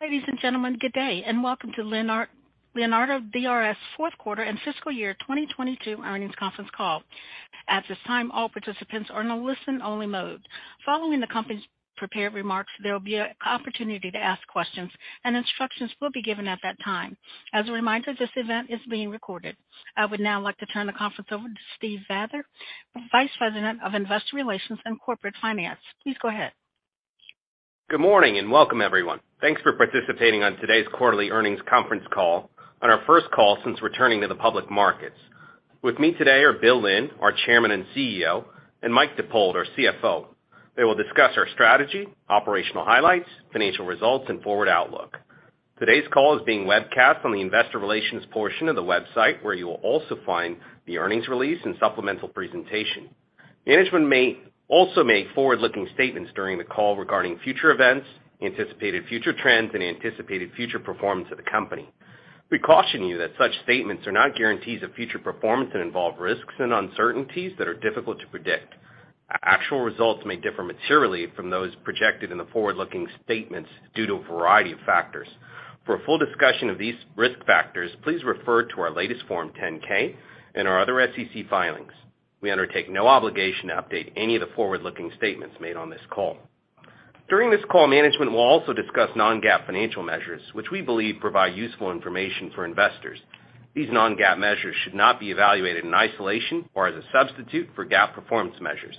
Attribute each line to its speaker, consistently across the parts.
Speaker 1: Ladies and gentlemen, good day and welcome to Leonardo DRS Q4 and Fiscal Year 2022 Earnings Conference Call. At this time, all participants are in a listen-only mode. Following the company's prepared remarks, there will be a opportunity to ask questions, and instructions will be given at that time. As a reminder, this event is being recorded. I would now like to turn the conference over to Steve Vather, Vice President of Investor Relations and Corporate Finance. Please go ahead.
Speaker 2: Good morning, and welcome, everyone. Thanks for participating on today's quarterly earnings conference call, on our first call since returning to the public markets. With me today are Bill Lynn, our Chairman and CEO, and Michael Dippold, our CFO. They will discuss our strategy, operational highlights, financial results, and forward outlook. Today's call is being webcast on the investor relations portion of the website, where you will also find the earnings release and supplemental presentation. Management may also make forward-looking statements during the call regarding future events, anticipated future trends, and anticipated future performance of the company. We caution you that such statements are not guarantees of future performance and involve risks and uncertainties that are difficult to predict. Actual results may differ materially from those projected in the forward-looking statements due to a variety of factors. For a full discussion of these risk factors, please refer to our latest Form 10-K and our other SEC filings. We undertake no obligation to update any of the forward-looking statements made on this call. During this call, management will also discuss non-GAAP financial measures, which we believe provide useful information for investors. These non-GAAP measures should not be evaluated in isolation or as a substitute for GAAP performance measures.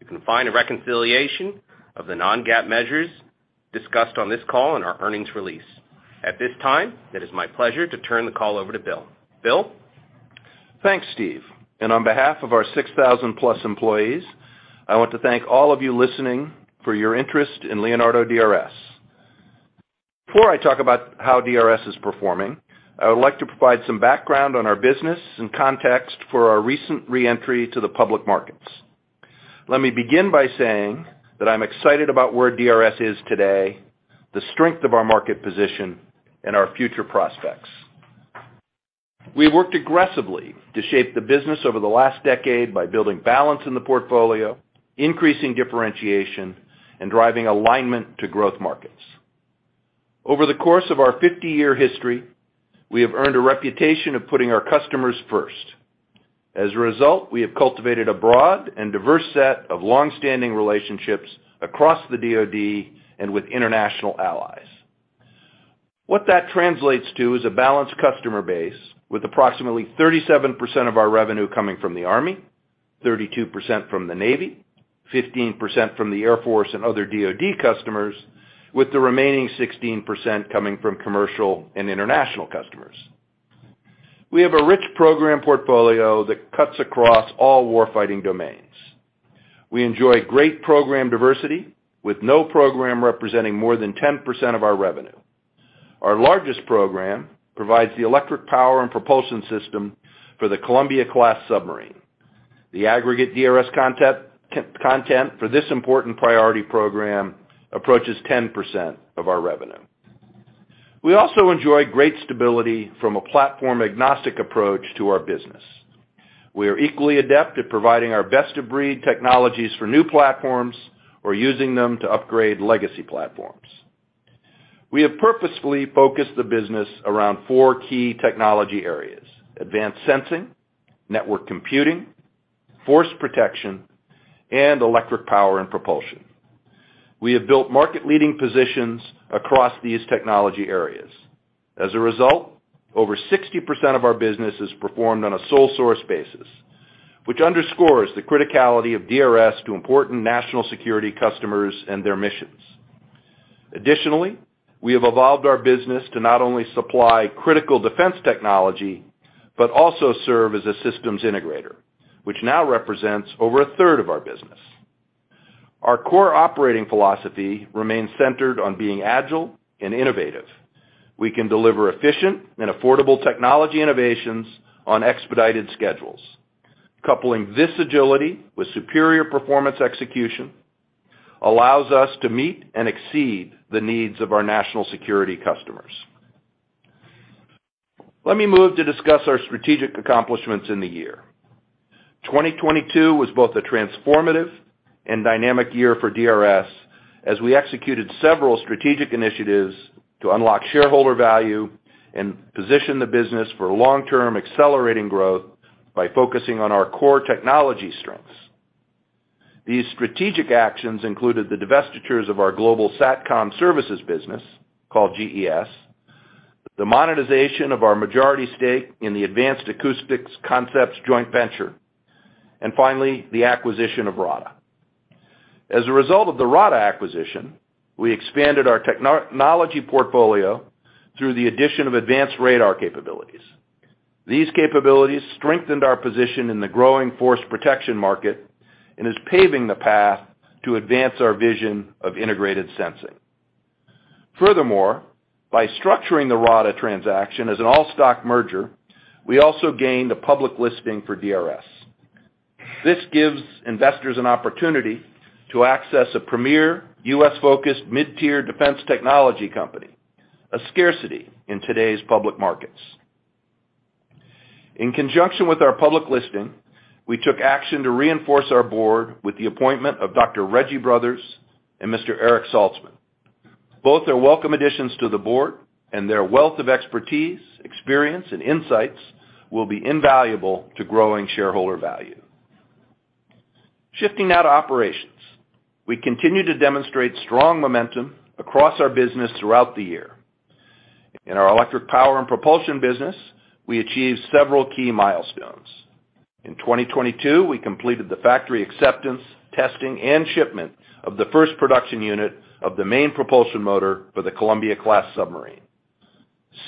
Speaker 2: You can find a reconciliation of the non-GAAP measures discussed on this call in our earnings release. At this time, it is my pleasure to turn the call over to Bill. Bill.
Speaker 3: Thanks, Steve. On behalf of our 6,000+ employees, I want to thank all of you listening for your interest in Leonardo DRS. Before I talk about how DRS is performing, I would like to provide some background on our business and context for our recent re-entry to the public markets. Let me begin by saying that I'm excited about where DRS is today, the strength of our market position, and our future prospects. We worked aggressively to shape the business over the last decade by building balance in the portfolio, increasing differentiation, and driving alignment to growth markets. Over the course of our 50-year history, we have earned a reputation of putting our customers first. As a result, we have cultivated a broad and diverse set of long-standing relationships across the DoD and with international allies. What that translates to is a balanced customer base with approximately 37% of our revenue coming from the Army, 32% from the Navy, 15% from the Air Force and other DoD customers, with the remaining 16% coming from commercial and international customers. We have a rich program portfolio that cuts across all war-fighting domains. We enjoy great program diversity, with no program representing more than 10% of our revenue. Our largest program provides the electric power and propulsion system for the Columbia-class submarine. The aggregate DRS content for this important priority program approaches 10% of our revenue. We also enjoy great stability from a platform-agnostic approach to our business. We are equally adept at providing our best-of-breed technologies for new platforms or using them to upgrade legacy platforms. We have purposefully focused the business around four key technology areas: advanced sensing, network computing, force protection, and electric power and propulsion. We have built market-leading positions across these technology areas. Over 60% of our business is performed on a sole source basis, which underscores the criticality of DRS to important national security customers and their missions. We have evolved our business to not only supply critical defense technology, but also serve as a systems integrator, which now represents over a third of our business. Our core operating philosophy remains centered on being agile and innovative. We can deliver efficient and affordable technology innovations on expedited schedules. Coupling this agility with superior performance execution allows us to meet and exceed the needs of our national security customers. Let me move to discuss our strategic accomplishments in the year. 2022 was both a transformative and dynamic year for DRS as we executed several strategic initiatives to unlock shareholder value and position the business for long-term accelerating growth by focusing on our core technology strengths. These strategic actions included the divestitures of our Global SatCom services business called GES, the monetization of our majority stake in the Advanced Acoustic Concepts joint venture, and finally, the acquisition of RADA. As a result of the RADA acquisition, we expanded our technology portfolio through the addition of advanced radar capabilities. These capabilities strengthened our position in the growing force protection market and is paving the path to advance our vision of integrated sensing. Furthermore, by structuring the RADA transaction as an all-stock merger, we also gained a public listing for DRS. This gives investors an opportunity to access a premier US-focused mid-tier defense technology company, a scarcity in today's public markets. In conjunction with our public listing, we took action to reinforce our board with the appointment of Dr. Reggie Brothers and Mr. Eric Salzman. Both are welcome additions to the board, and their wealth of expertise, experience, and insights will be invaluable to growing shareholder value. Shifting now to operations. We continue to demonstrate strong momentum across our business throughout the year. In our electric power and propulsion business, we achieved several key milestones. In 2022, we completed the factory acceptance, testing, and shipment of the first production unit of the main propulsion motor for the Columbia-class submarine.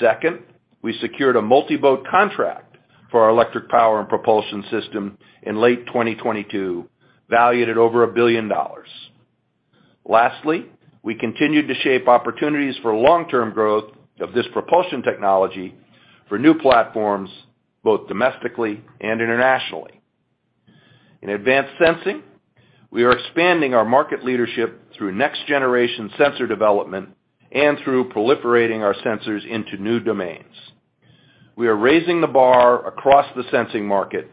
Speaker 3: Second, we secured a multi-boat contract for our electric power and propulsion system in late 2022, valued at over $1 billion. Lastly, we continued to shape opportunities for long-term growth of this propulsion technology for new platforms, both domestically and internationally. In advanced sensing, we are expanding our market leadership through next-generation sensor development and through proliferating our sensors into new domains. We are raising the bar across the sensing market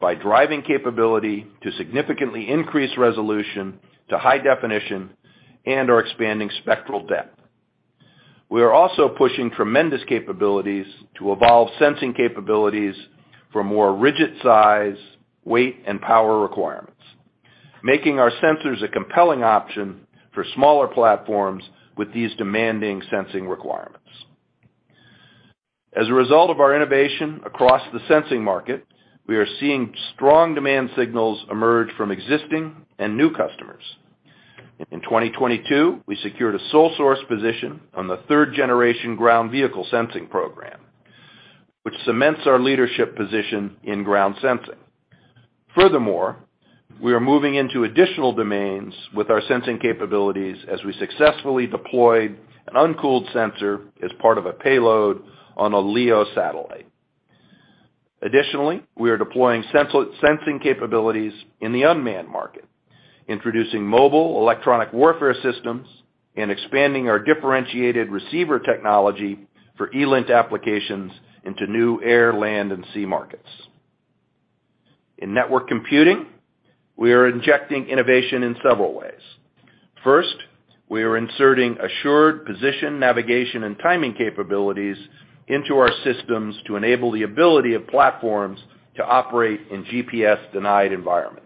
Speaker 3: by driving capability to significantly increase resolution to high definition and are expanding spectral depth. We are also pushing tremendous capabilities to evolve sensing capabilities for more rigid size, weight, and power requirements, making our sensors a compelling option for smaller platforms with these demanding sensing requirements. As a result of our innovation across the sensing market, we are seeing strong demand signals emerge from existing and new customers. In 2022, we secured a sole source position on the third-generation ground vehicle sensing program, which cements our leadership position in ground sensing. We are moving into additional domains with our sensing capabilities as we successfully deployed an uncooled sensor as part of a payload on a LEO satellite. We are deploying sensing capabilities in the unmanned market, introducing mobile electronic warfare systems, and expanding our differentiated receiver technology for ELINT applications into new air, land, and sea markets. In network computing, we are injecting innovation in several ways. First, we are inserting assured position, navigation, and timing capabilities into our systems to enable the ability of platforms to operate in GPS-denied environments.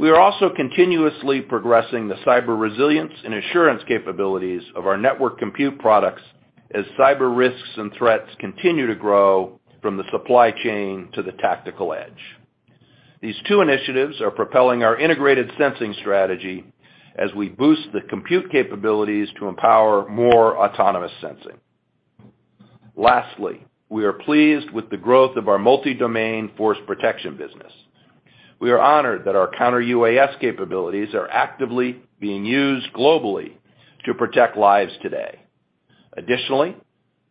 Speaker 3: We are also continuously progressing the cyber resilience and assurance capabilities of our network compute products as cyber risks and threats continue to grow from the supply chain to the tactical edge. These two initiatives are propelling our integrated sensing strategy as we boost the compute capabilities to empower more autonomous sensing. Lastly, we are pleased with the growth of our multi-domain force protection business. We are honored that our Counter-UAS capabilities are actively being used globally to protect lives today. Additionally,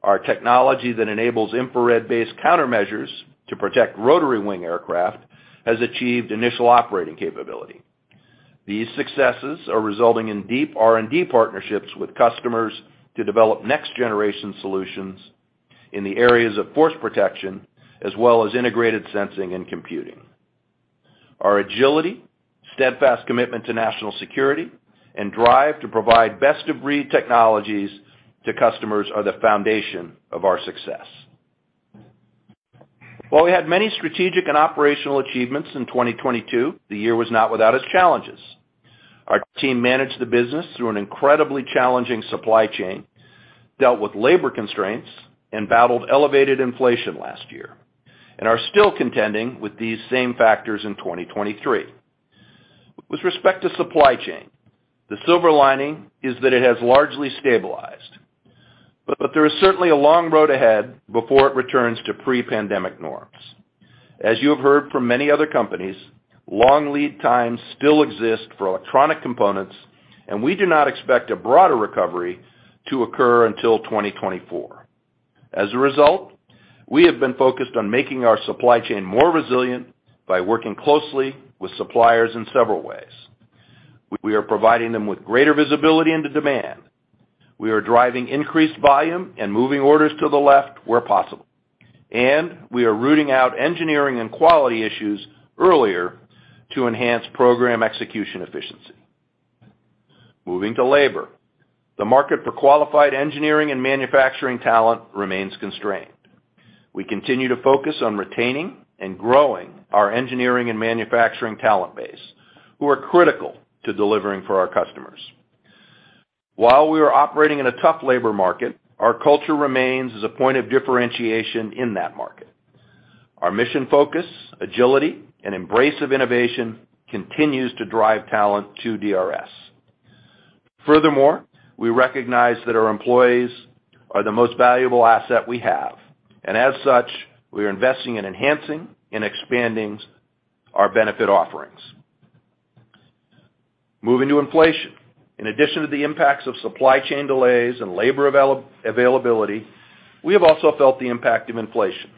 Speaker 3: our technology that enables infrared-based countermeasures to protect rotary wing aircraft has achieved initial operating capability. These successes are resulting in deep R&D partnerships with customers to develop next-generation solutions in the areas of force protection, as well as integrated sensing and computing. Our agility, steadfast commitment to national security, and drive to provide best-of-breed technologies to customers are the foundation of our success. While we had many strategic and operational achievements in 2022, the year was not without its challenges. Our team managed the business through an incredibly challenging supply chain, dealt with labor constraints, and battled elevated inflation last year, and are still contending with these same factors in 2023. With respect to supply chain, the silver lining is that it has largely stabilized, but there is certainly a long road ahead before it returns to pre-pandemic norms. As you have heard from many other companies, long lead times still exist for electronic components. We do not expect a broader recovery to occur until 2024. As a result, we have been focused on making our supply chain more resilient by working closely with suppliers in several ways. We are providing them with greater visibility into demand. We are driving increased volume and moving orders to the left where possible. We are rooting out engineering and quality issues earlier to enhance program execution efficiency. Moving to labor. The market for qualified engineering and manufacturing talent remains constrained. We continue to focus on retaining and growing our engineering and manufacturing talent base, who are critical to delivering for our customers. While we are operating in a tough labor market, our culture remains as a point of differentiation in that market. Our mission focus, agility, and embrace of innovation continues to drive talent to DRS. We recognize that our employees are the most valuable asset we have, and as such, we are investing in enhancing and expanding our benefit offerings. Moving to inflation. In addition to the impacts of supply chain delays and labor availability, we have also felt the impact of inflation.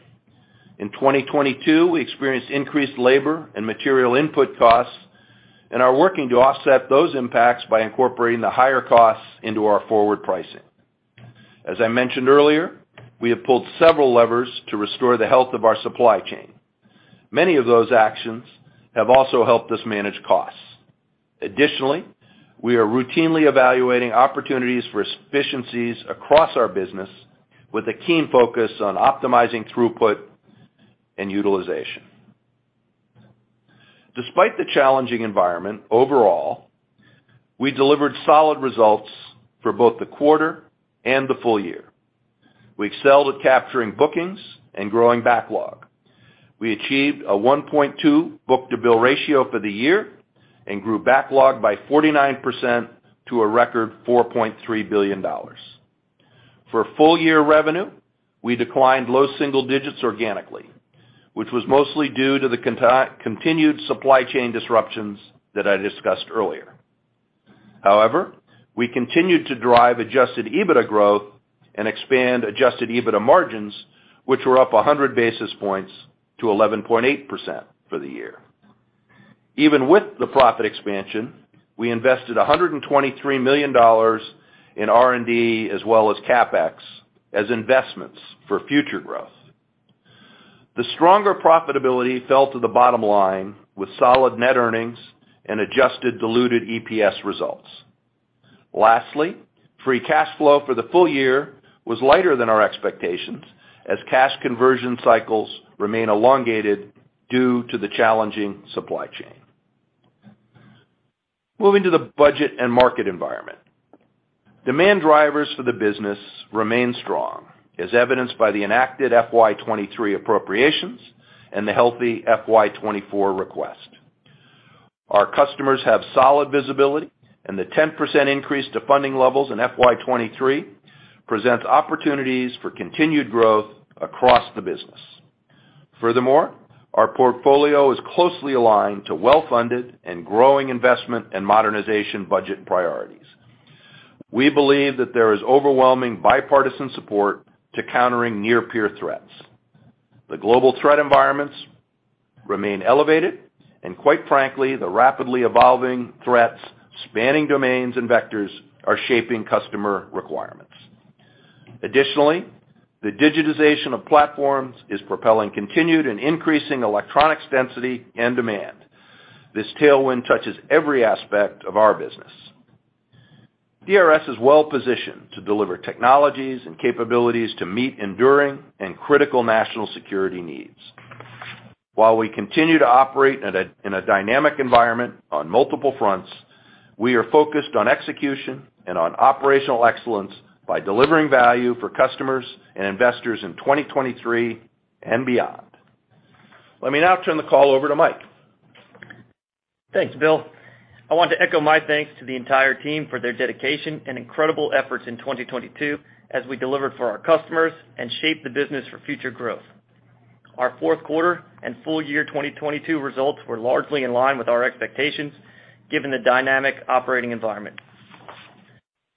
Speaker 3: In 2022, we experienced increased labor and material input costs and are working to offset those impacts by incorporating the higher costs into our forward pricing. As I mentioned earlier, we have pulled several levers to restore the health of our supply chain. Many of those actions have also helped us manage costs. We are routinely evaluating opportunities for efficiencies across our business with a keen focus on optimizing throughput and utilization. Despite the challenging environment overall, we delivered solid results for both the quarter and the full year. We excelled at capturing bookings and growing backlog. We achieved a 1.2 book-to-bill ratio for the year and grew backlog by 49% to a record $4.3 billion. For full year revenue, we declined low single digits organically, which was mostly due to the continued supply chain disruptions that I discussed earlier. We continued to drive adjusted EBITDA growth and expand adjusted EBITDA margins, which were up 100 basis points to 11.8% for the year. Even with the profit expansion, we invested $123 million in R&D as well as CapEx as investments for future growth. The stronger profitability fell to the bottom line with solid net earnings and adjusted diluted EPS results. Free cash flow for the full year was lighter than our expectations as cash conversion cycles remain elongated due to the challenging supply chain. Moving to the budget and market environment. Demand drivers for the business remain strong, as evidenced by the enacted FY 2023 appropriations and the healthy FY 2024 request. Our customers have solid visibility. The 10% increase to funding levels in FY 2023 presents opportunities for continued growth across the business. Our portfolio is closely aligned to well-funded and growing investment and modernization budget priorities. We believe that there is overwhelming bipartisan support to countering near-peer threats. The global threat environments remain elevated, and quite frankly, the rapidly evolving threats spanning domains and vectors are shaping customer requirements. Additionally, the digitization of platforms is propelling continued and increasing electronics density and demand. This tailwind touches every aspect of our business. DRS is well positioned to deliver technologies and capabilities to meet enduring and critical national security needs. While we continue to operate in a dynamic environment on multiple fronts, we are focused on execution and on operational excellence by delivering value for customers and investors in 2023 and beyond. Let me now turn the call over to Mike.
Speaker 4: Thanks, Bill. I want to echo my thanks to the entire team for their dedication and incredible efforts in 2022 as we delivered for our customers and shaped the business for future growth. Our Q4 and full year 2022 results were largely in line with our expectations, given the dynamic operating environment.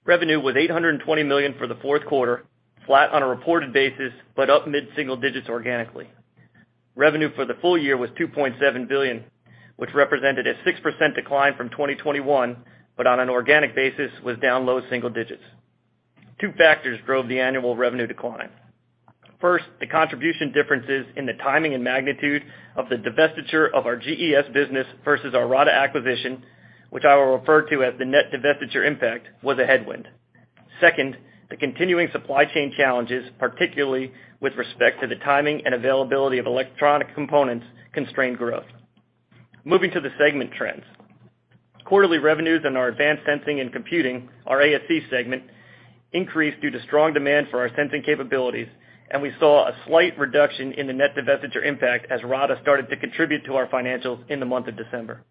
Speaker 4: Revenue was $820 million for the Q4, flat on a reported basis, but up mid-single digits organically. Revenue for the full year was $2.7 billion, which represented a 6% decline from 2021, but on an organic basis was down low single digits. Two factors drove the annual revenue decline. First, the contribution differences in the timing and magnitude of the divestiture of our GES business versus our RADA acquisition, which I will refer to as the net divestiture impact, was a headwind. Second, the continuing supply chain challenges, particularly with respect to the timing and availability of electronic components, constrained growth. Moving to the segment trends. Quarterly revenues in our Advanced Sensing and Computing, our ASC segment, increased due to strong demand for our sensing capabilities, and we saw a slight reduction in the net divestiture impact as RADA started to contribute to our financials in the month of December.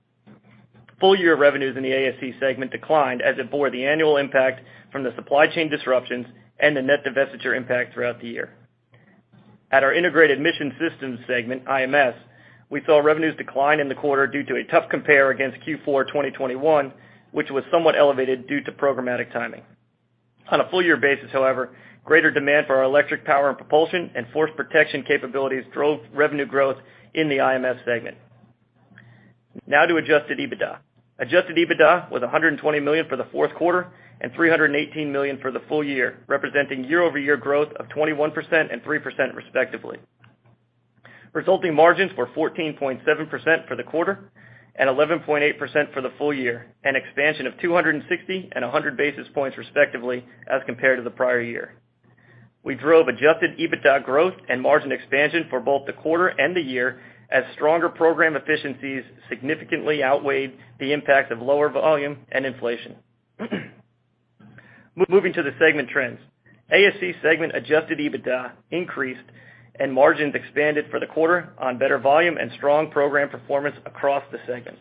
Speaker 4: Full year revenues in the ASC segment declined as it bore the annual impact from the supply chain disruptions and the net divestiture impact throughout the year. At our Integrated Mission Systems segment, IMS, we saw revenues decline in the quarter due to a tough compare against Q4 2021, which was somewhat elevated due to programmatic timing. On a full year basis, however, greater demand for our electric power and propulsion and force protection capabilities drove revenue growth in the IMS segment. Now to adjusted EBITDA. Adjusted EBITDA was $120 million for the Q4 and $318 million for the full year, representing year-over-year growth of 21% and 3% respectively. Resulting margins were 14.7% for the quarter and 11.8% for the full year, an expansion of 260 and 100 basis points respectively as compared to the prior year. We drove adjusted EBITDA growth and margin expansion for both the quarter and the year as stronger program efficiencies significantly outweighed the impact of lower volume and inflation. Moving to the segment trends. ASC segment adjusted EBITDA increased and margins expanded for the quarter on better volume and strong program performance across the segment.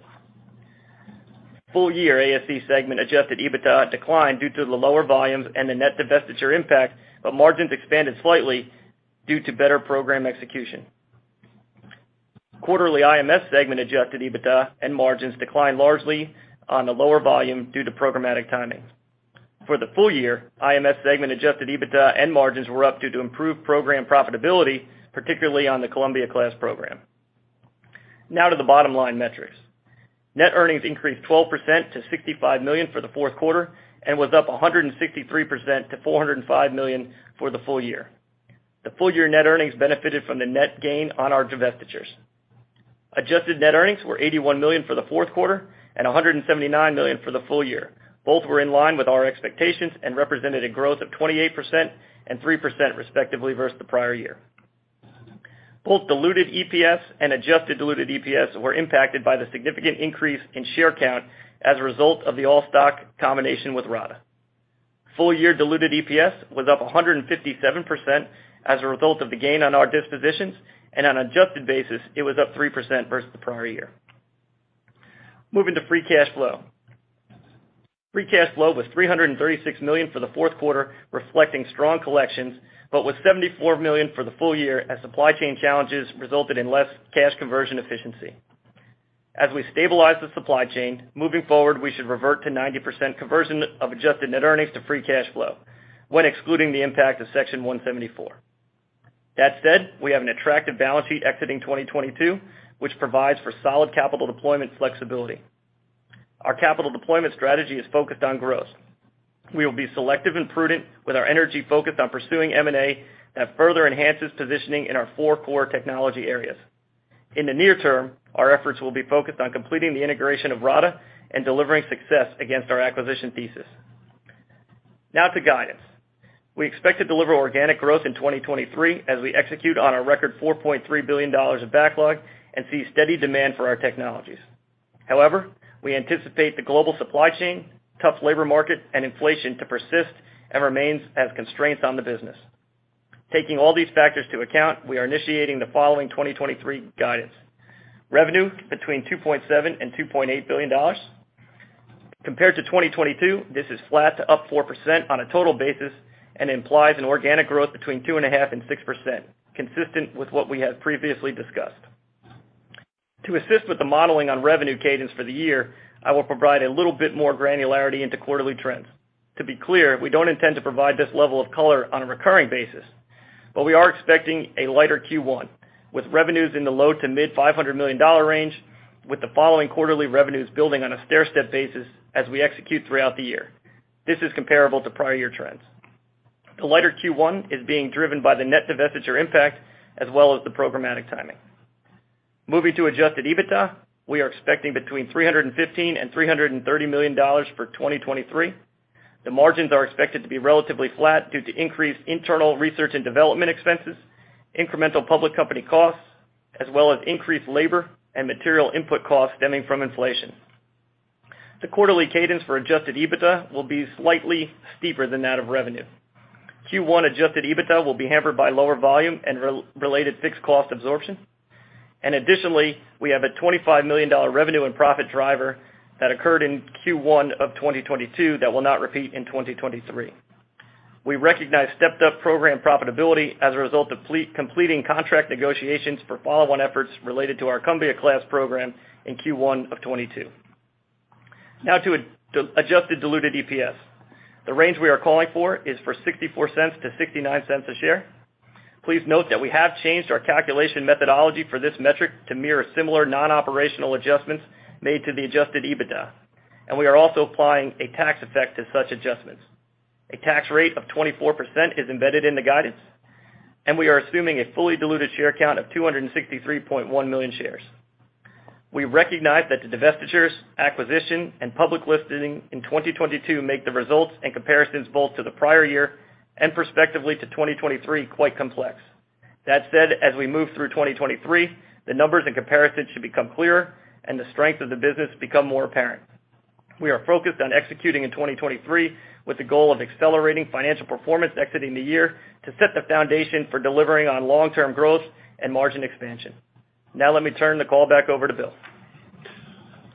Speaker 4: Full year ASC segment adjusted EBITDA declined due to the lower volumes and the net divestiture impact, margins expanded slightly due to better program execution. Quarterly IMS segment adjusted EBITDA and margins declined largely on the lower volume due to programmatic timing. For the full year, IMS segment adjusted EBITDA and margins were up due to improved program profitability, particularly on the Columbia-class program. To the bottom line metrics. Net earnings increased 12% to $65 million for the Q4, was up 163% to $405 million for the full year. The full year net earnings benefited from the net gain on our divestitures. Adjusted net earnings were $81 million for the Q4 and $179 million for the full year. Both were in line with our expectations and represented a growth of 28% and 3% respectively versus the prior year. Both diluted EPS and adjusted diluted EPS were impacted by the significant increase in share count as a result of the all-stock combination with RADA. Full year diluted EPS was up 157% as a result of the gain on our dispositions, and on an adjusted basis, it was up 3% versus the prior year. Moving to free cash flow. Free cash flow was $336 million for the Q4, reflecting strong collections, but was $74 million for the full year as supply chain challenges resulted in less cash conversion efficiency. As we stabilize the supply chain, moving forward, we should revert to 90% conversion of adjusted net earnings to free cash flow when excluding the impact of Section 174. That said, we have an attractive balance sheet exiting 2022, which provides for solid capital deployment flexibility. Our capital deployment strategy is focused on growth. We will be selective and prudent with our energy focused on pursuing M&A that further enhances positioning in our four core technology areas. In the near term, our efforts will be focused on completing the integration of RADA and delivering success against our acquisition thesis. To guidance. We expect to deliver organic growth in 2023 as we execute on our record $4.3 billion of backlog and see steady demand for our technologies. We anticipate the global supply chain, tough labor market, and inflation to persist and remains as constraints on the business. Taking all these factors to account, we are initiating the following 2023 guidance. Revenue between $2.7 billion and $2.8 billion. Compared to 2022, this is flat to +4% on a total basis and implies an organic growth between 2.5% and 6%, consistent with what we have previously discussed. To assist with the modeling on revenue cadence for the year, I will provide a little bit more granularity into quarterly trends. To be clear, we don't intend to provide this level of color on a recurring basis. We are expecting a lighter Q1, with revenues in the low-to-mid $500 million range, with the following quarterly revenues building on a stairstep basis as we execute throughout the year. This is comparable to prior year trends. The lighter Q1 is being driven by the net divestiture impact as well as the programmatic timing. Moving to adjusted EBITDA, we are expecting between $315 million and $330 million for 2023. The margins are expected to be relatively flat due to increased internal research and development expenses, incremental public company costs, as well as increased labor and material input costs stemming from inflation. The quarterly cadence for adjusted EBITDA will be slightly steeper than that of revenue. Q1 adjusted EBITDA will be hampered by lower volume and related fixed cost absorption. Additionally, we have a $25 million revenue and profit driver that occurred in Q1 of 2022 that will not repeat in 2023. We recognize stepped-up program profitability as a result of completing contract negotiations for follow-on efforts related to our Columbia-class program in Q1 of 2022. Now to adjusted diluted EPS. The range we are calling for is for $0.64-$0.69 a share. Please note that we have changed our calculation methodology for this metric to mirror similar non-operational adjustments made to the adjusted EBITDA, and we are also applying a tax effect to such adjustments. A tax rate of 24% is embedded in the guidance, and we are assuming a fully diluted share count of 263.1 million shares. We recognize that the divestitures, acquisition, and public listing in 2022 make the results and comparisons both to the prior year and perspectively to 2023 quite complex. That said, as we move through 2023, the numbers and comparisons should become clearer and the strength of the business become more apparent. We are focused on executing in 2023 with the goal of accelerating financial performance exiting the year to set the foundation for delivering on long-term growth and margin expansion. Now let me turn the call back over to Bill.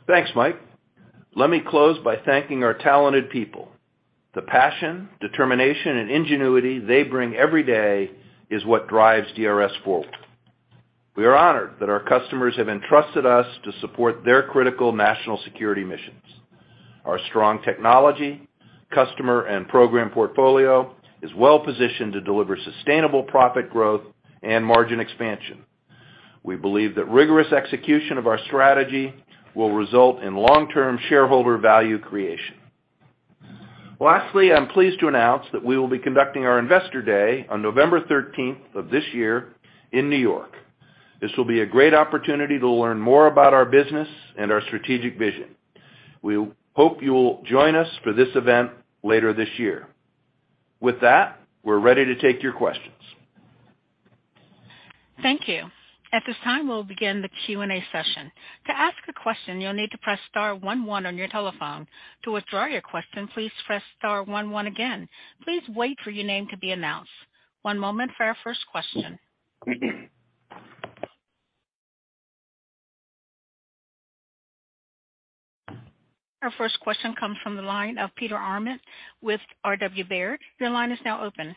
Speaker 3: Thanks, Mike. Let me close by thanking our talented people. The passion, determination, and ingenuity they bring every day is what drives DRS forward. We are honored that our customers have entrusted us to support their critical national security missions. Our strong technology, customer, and program portfolio is well positioned to deliver sustainable profit growth and margin expansion. We believe that rigorous execution of our strategy will result in long-term shareholder value creation. Lastly, I'm pleased to announce that we will be conducting our Investor Day on November 13th of this year in New York. This will be a great opportunity to learn more about our business and our strategic vision. We'll hope you will join us for this event later this year. With that, we're ready to take your questions.
Speaker 1: Thank you. At this time, we'll begin the Q&A session. To ask a question, you'll need to press star one one on your telephone. To withdraw your question, please press star one one again. Please wait for your name to be announced. One moment for our first question. Our first question comes from the line of Peter Arment with RW Baird. Your line is now open.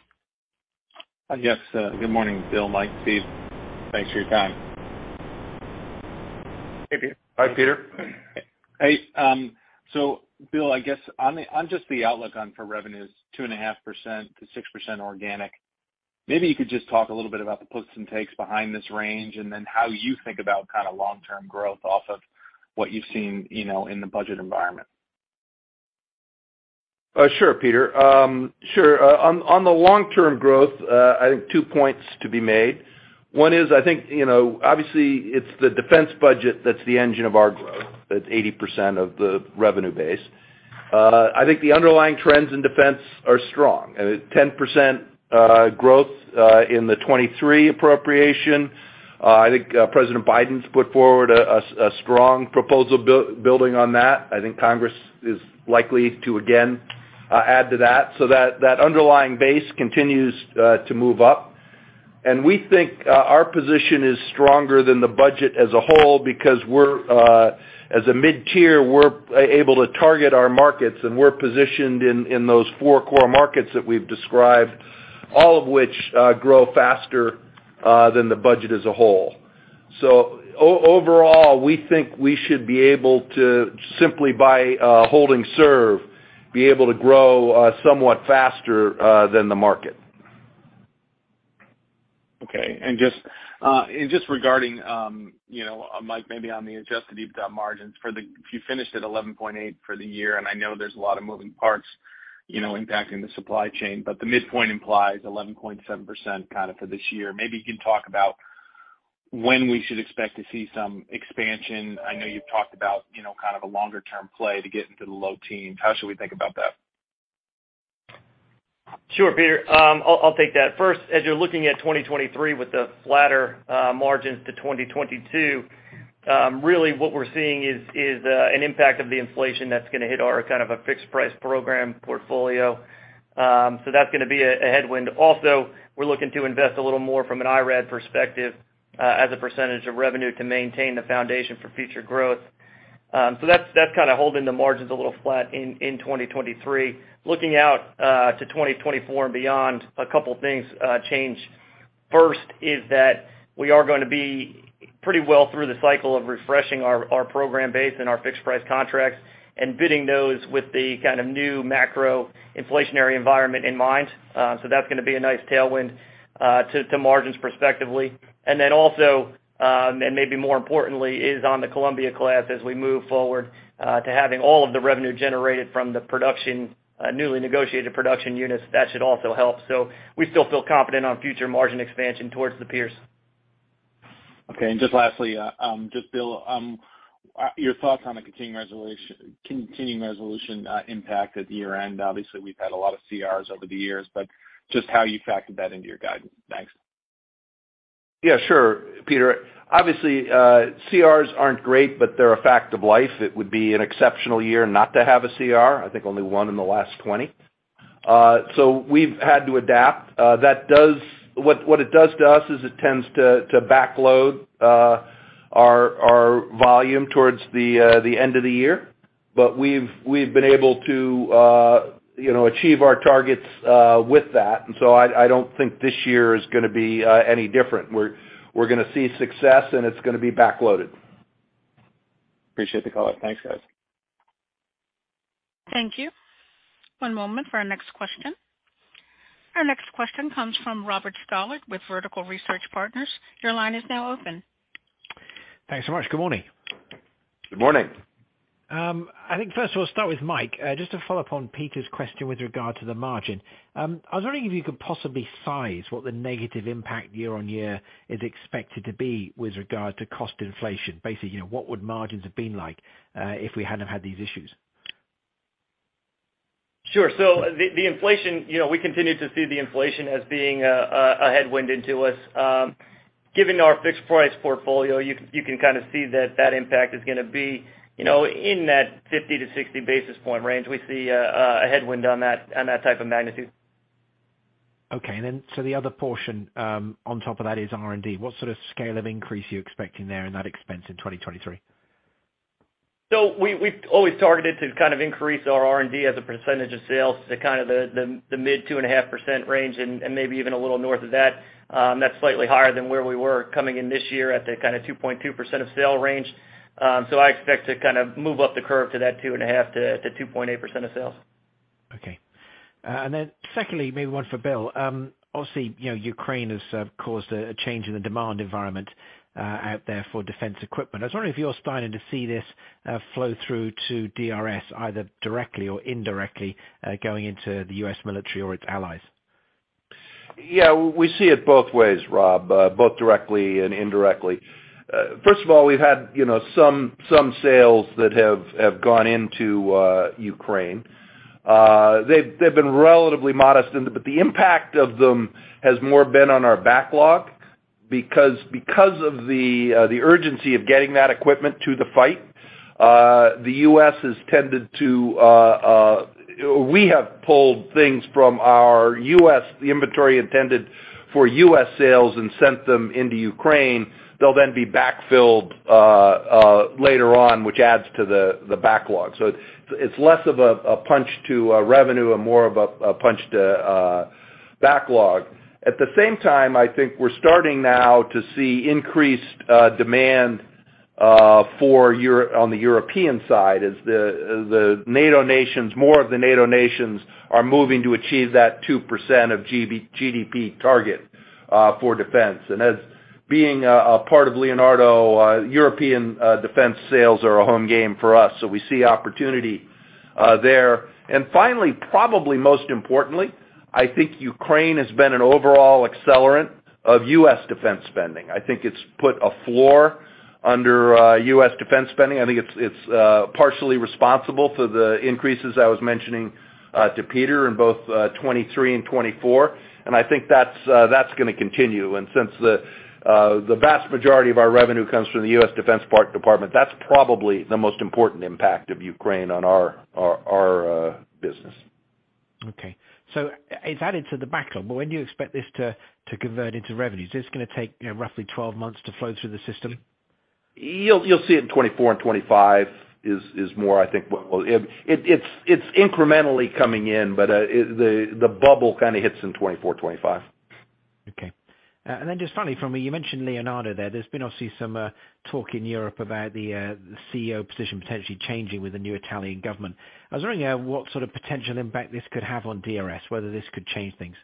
Speaker 5: Yes. good morning, Bill, Mike, Steve. Thanks for your time.
Speaker 2: Hey, Peter.
Speaker 3: Hi, Peter.
Speaker 5: Bill, I guess on the, on just the outlook on for revenues, 2.5%-6% organic, maybe you could just talk a little bit about the puts and takes behind this range and then how you think about kind of long-term growth off of what you've seen, you know, in the budget environment.
Speaker 3: Sure, Peter. Sure. On the long-term growth, I think 2 points to be made. 1 is I think, you know, obviously it's the Defense budget that's the engine of our growth. It's 80% of the revenue base. I think the underlying trends in Defense are strong. 10% growth in the 2023 appropriation. I think President Biden's put forward a strong proposal building on that. I think Congress is likely to again add to that, so that underlying base continues to move up. We think our position is stronger than the budget as a whole because we're as a mid-tier, we're able to target our markets and we're positioned in those four core markets that we've described, all of which grow faster than the budget as a whole. Overall, we think we should be able to simply by holding serve, be able to grow somewhat faster than the market.
Speaker 5: Okay. Just regarding, you know, Mike, maybe on the adjusted EBITDA margins, you finished at 11.8 for the year, and I know there's a lot of moving parts, you know, impacting the supply chain, but the midpoint implies 11.7% kind of for this year. Maybe you can talk about when we should expect to see some expansion. I know you've talked about, you know, kind of a longer term play to get into the low teens. How should we think about that?
Speaker 4: Sure, Peter. I'll take that. First, as you're looking at 2023 with the flatter margins to 2022, really what we're seeing is an impact of the inflation that's gonna hit our kind of a fixed price program portfolio. That's gonna be a headwind. Also, we're looking to invest a little more from an IRAD perspective as a percentage of revenue to maintain the foundation for future growth. That's kind of holding the margins a little flat in 2023. Looking out to 2024 and beyond, a couple things change. First is that we are gonna be pretty well through the cycle of refreshing our program base and our fixed price contracts and bidding those with the kind of new macro inflationary environment in mind. That's gonna be a nice tailwind to margins perspectively. Maybe more importantly, is on the Columbia-class as we move forward, to having all of the revenue generated from the production, newly negotiated production units, that should also help. We still feel confident on future margin expansion towards the peers.
Speaker 5: Okay. Just lastly, just Bill, your thoughts on the continuing resolution impact at year-end. Obviously, we've had a lot of CRs over the years, just how you factored that into your guidance. Thanks.
Speaker 3: Yeah, sure. Peter, obviously, CRs aren't great, but they're a fact of life. It would be an exceptional year not to have a CR. I think only one in the last 20. We've had to adapt. What it does to us is it tends to backload our volume towards the end of the year. We've been able to, you know, achieve our targets with that. I don't think this year is gonna be any different. We're gonna see success and it's gonna be backloaded.
Speaker 5: Appreciate the color. Thanks, guys.
Speaker 1: Thank you. One moment for our next question. Our next question comes from Robert Stallard with Vertical Research Partners. Your line is now open.
Speaker 6: Thanks so much. Good morning.
Speaker 3: Good morning.
Speaker 6: I think first of all, start with Mike, just to follow up on Peter's question with regard to the margin. I was wondering if you could possibly size what the negative impact year-over-year is expected to be with regard to cost inflation. Basically, you know, what would margins have been like if we hadn't had these issues?
Speaker 4: Sure. The inflation, you know, we continue to see the inflation as being a headwind into us. Given our fixed price portfolio, you can kind of see that that impact is gonna be, you know, in that 50 to 60 basis point range. We see a headwind on that, on that type of magnitude.
Speaker 6: Okay. The other portion, on top of that is R&D. What sort of scale of increase are you expecting there in that expense in 2023?
Speaker 4: We've always targeted to kind of increase our R&D as a percentage of sales to kind of the mid 2.5% range and maybe even a little north of that. That's slightly higher than where we were coming in this year at the kind of 2.2% of sale range. I expect to kind of move up the curve to that 2.5%-2.8% of sales.
Speaker 6: Okay. Secondly, maybe one for Bill Lynn. Obviously, you know, Ukraine has caused a change in the demand environment out there for defense equipment. I was wondering if you're starting to see this flow through to DRS, either directly or indirectly, going into the U.S. military or its allies.
Speaker 3: Yeah, we see it both ways, Rob, both directly and indirectly. First of all, we've had, you know, some sales that have gone into Ukraine. They've been relatively modest, but the impact of them has more been on our backlog because of the urgency of getting that equipment to the fight, the U.S. has tended to, we have pulled things from our U.S. inventory intended for U.S. sales and sent them into Ukraine. They'll then be backfilled later on, which adds to the backlog. It's less of a punch to revenue and more of a punch to Backlog. At the same time, I think we're starting now to see increased demand on the European side as the NATO nations, more of the NATO nations are moving to achieve that 2% of GDP target for defense. As being a part of Leonardo, European defense sales are a home game for us, so we see opportunity there. Finally, probably most importantly, I think Ukraine has been an overall accelerant of U.S. defense spending. I think it's put a floor under U.S. defense spending. I think it's partially responsible for the increases I was mentioning to Peter in both 2023 and 2024, and I think that's gonna continue. Since the vast majority of our revenue comes from the U.S. Department of Defense, that's probably the most important impact of Ukraine on our business.
Speaker 6: It's added to the backlog, when do you expect this to convert into revenues? Is this going to take, you know, roughly 12 months to flow through the system?
Speaker 3: You'll see it in 2024 and 2025 is more I think. It's incrementally coming in, but the bubble kinda hits in 2024, 2025.
Speaker 6: Then just finally from me, you mentioned Leonardo there. There's been obviously some talk in Europe about the CEO position potentially changing with the new Italian government. I was wondering what sort of potential impact this could have on DRS, whether this could change things.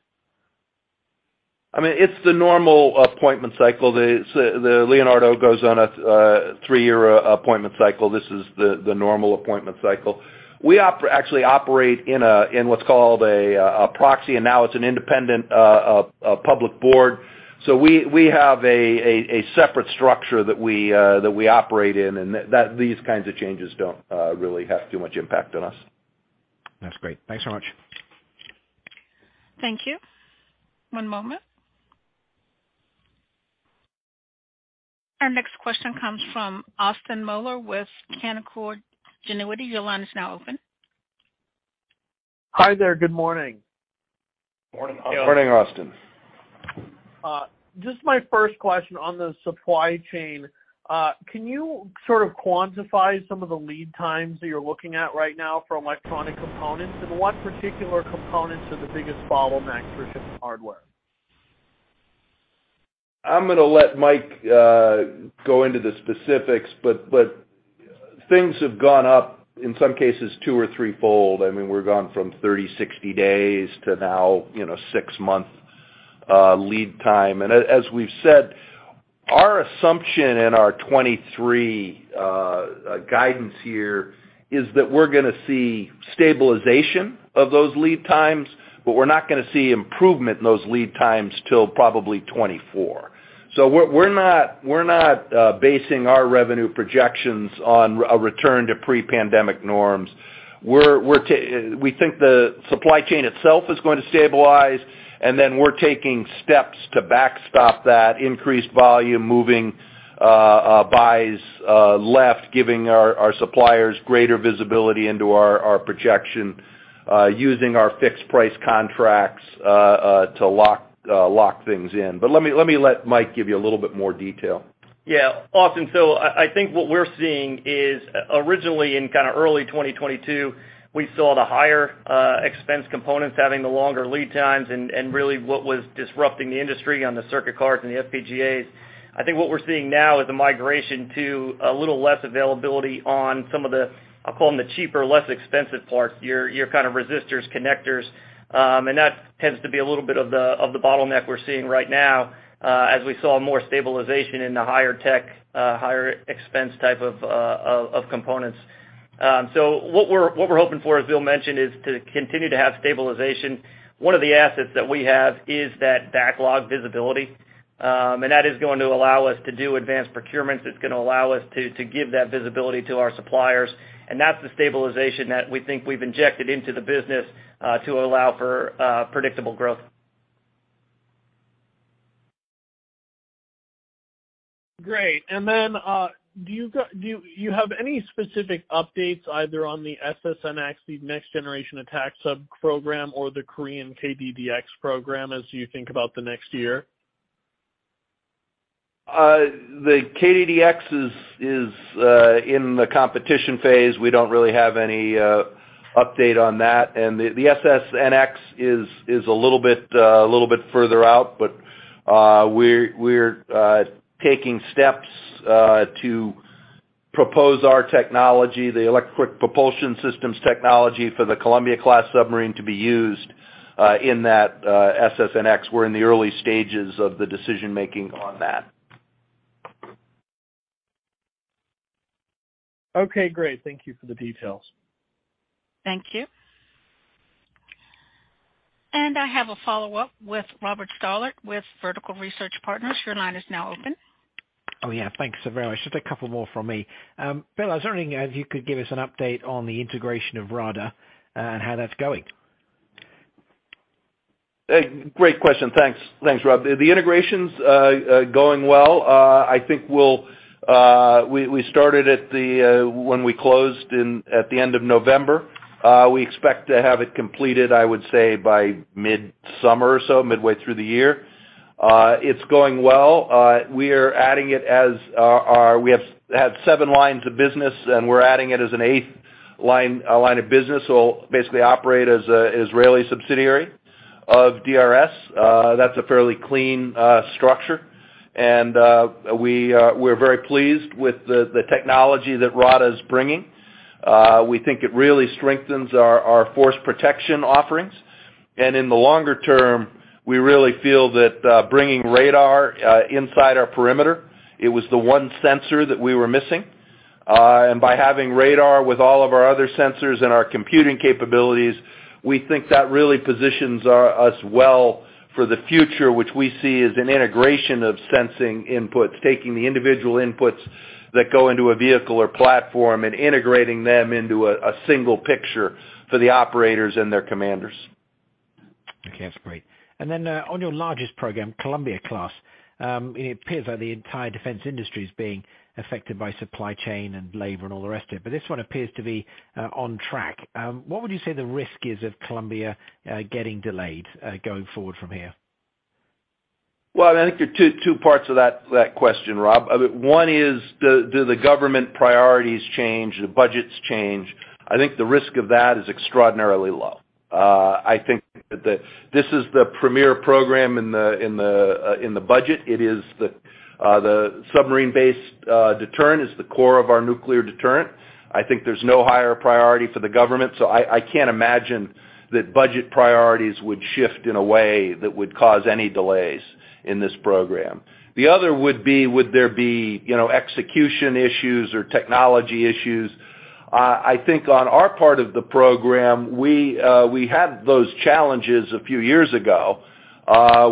Speaker 3: I mean, it's the normal appointment cycle. The Leonardo goes on a three-year appointment cycle. This is the normal appointment cycle. We actually operate in what's called a proxy, and now it's an independent, a public board. We have a separate structure that we operate in, and these kinds of changes don't really have too much impact on us.
Speaker 6: That's great. Thanks so much.
Speaker 1: Thank you. One moment. Our next question comes from Austin Moeller with Canaccord Genuity. Your line is now open.
Speaker 7: Hi there. Good morning.
Speaker 4: Morning, Austin.
Speaker 3: Morning, Austin.
Speaker 7: Just my first question on the supply chain, can you sort of quantify some of the lead times that you're looking at right now for electronic components, and what particular components are the biggest bottleneck for ship hardware?
Speaker 3: I'm gonna let Mike go into the specifics, but things have gone up, in some cases, two or three-fold. I mean, we're gone from 30, 60 days to now, you know, six-month lead time. As we've said, our assumption in our 2023 guidance year is that we're gonna see stabilization of those lead times, but we're not gonna see improvement in those lead times till probably 2024. We're not basing our revenue projections on a return to pre-pandemic norms. We think the supply chain itself is going to stabilize, and then we're taking steps to backstop that increased volume, moving buys left, giving our suppliers greater visibility into our projection, using our fixed price contracts to lock things in. Let me let Mike give you a little bit more detail.
Speaker 4: Yeah. Austin, I think what we're seeing is originally in kinda early 2022, we saw the higher expense components having the longer lead times and really what was disrupting the industry on the circuit cards and the FPGAs. I think what we're seeing now is a migration to a little less availability on some of the, I'll call them the cheaper, less expensive parts, your kind of resistors, connectors. That tends to be a little bit of the bottleneck we're seeing right now, as we saw more stabilization in the higher tech higher expense type of components. What we're hoping for, as Bill mentioned, is to continue to have stabilization. One of the assets that we have is that backlog visibility. That is going to allow us to do advanced procurements. It's gonna allow us to give that visibility to our suppliers. That's the stabilization that we think we've injected into the business, to allow for predictable growth.
Speaker 7: Great. Do you have any specific updates either on the SSN(X), the next generation attack sub program or the Korean KDDX program as you think about the next year?
Speaker 3: The KDDX is in the competition phase. We don't really have any update on that. The SSNX is a little bit further out, but we're taking steps to propose our technology, the electric propulsion systems technology for the Columbia-class submarine to be used in that SSNX. We're in the early stages of the decision-making on that.
Speaker 7: Okay, great. Thank you for the details.
Speaker 1: Thank you. I have a follow-up with Robert Stallard with Vertical Research Partners. Your line is now open.
Speaker 6: Oh, yeah. Thanks so very much. Just a couple more from me. Bill, I was wondering if you could give us an update on the integration of RADA and how that's going?
Speaker 3: A great question. Thanks, Rob. The integration's going well. I think we'll, we started at the, when we closed at the end of November. We expect to have it completed, I would say, by mid-summer or so, midway through the year. It's going well. We have had seven lines of business, and we're adding it as an eighth line, a line of business. So it'll basically operate as an Israeli subsidiary of DRS. That's a fairly clean structure. We're very pleased with the technology that RADA is bringing. We think it really strengthens our force protection offerings. In the longer term, we really feel that bringing radar inside our perimeter, it was the one sensor that we were missing. By having radar with all of our other sensors and our computing capabilities, we think that really positions us well for the future, which we see as an integration of sensing inputs, taking the individual inputs that go into a vehicle or platform and integrating them into a single picture for the operators and their commanders.
Speaker 6: Okay, that's great. Then, on your largest program, Columbia-class, it appears that the entire defense industry is being affected by supply chain and labor and all the rest of it, but this one appears to be on track. What would you say the risk is of Columbia getting delayed going forward from here?
Speaker 3: I think there are two parts of that question, Rob. One is, do the government priorities change? Do budgets change? I think the risk of that is extraordinarily low. I think that this is the premier program in the budget. It is the submarine base deterrent. It's the core of our nuclear deterrent. I think there's no higher priority for the government, so I can't imagine that budget priorities would shift in a way that would cause any delays in this program. The other would be, would there be, you know, execution issues or technology issues? I think on our part of the program, we had those challenges a few years ago,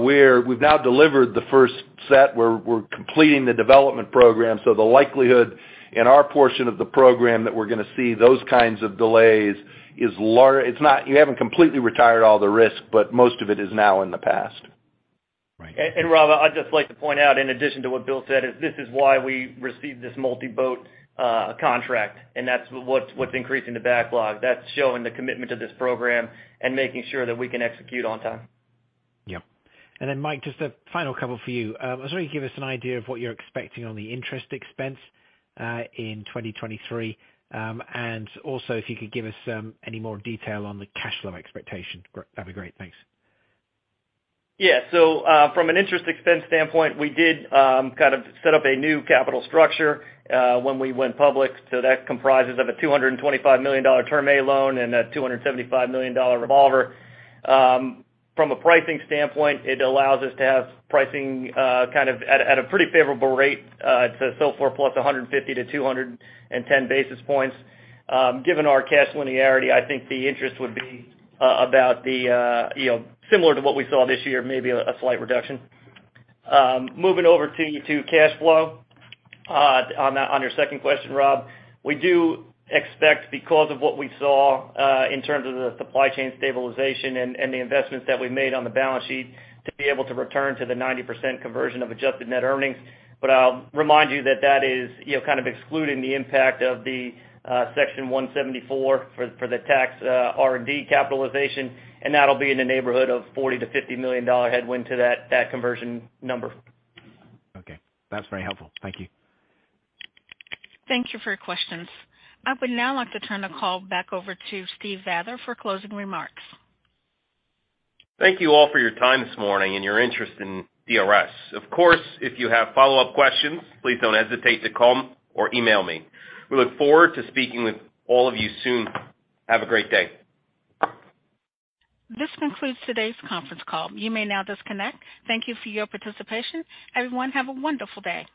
Speaker 3: where we've now delivered the first set. We're completing the development program. The likelihood in our portion of the program that we're gonna see those kinds of delays is. You haven't completely retired all the risk, but most of it is now in the past.
Speaker 6: Right.
Speaker 4: Rob, I'd just like to point out, in addition to what Bill said, is this is why we received this multi-boat contract, and that's what's increasing the backlog. That's showing the commitment to this program and making sure that we can execute on time.
Speaker 6: Yeah. Then Mike, just a final couple for you. I was wondering if you could give us an idea of what you're expecting on the interest expense in 2023. Also if you could give us any more detail on the cash flow expectation, that'd be great. Thanks.
Speaker 4: From an interest expense standpoint, we did kind of set up a new capital structure when we went public. That comprises of a $225 million Term A loan and a $275 million revolver. From a pricing standpoint, it allows us to have pricing kind of at a pretty favorable rate to SOFR plus 150 to 210 basis points. Given our cash linearity, I think the interest would be about the, you know, similar to what we saw this year, maybe a slight reduction. Moving over to cash flow, on your second question, Rob, we do expect because of what we saw, in terms of the supply chain stabilization and the investments that we made on the balance sheet, to be able to return to the 90% conversion of adjusted net earnings. I'll remind you that that is, you know, kind of excluding the impact of the Section 174 for the tax, R&D capitalization, and that'll be in the neighborhood of $40 million-$50 million headwind to that conversion number.
Speaker 6: Okay, that's very helpful. Thank you.
Speaker 1: Thank you for your questions. I would now like to turn the call back over to Steve Vather for closing remarks.
Speaker 2: Thank you all for your time this morning and your interest in DRS. Of course, if you have follow-up questions, please don't hesitate to call or email me. We look forward to speaking with all of you soon. Have a great day.
Speaker 1: This concludes today's conference call. You may now disconnect. Thank you for your participation. Everyone, have a wonderful day.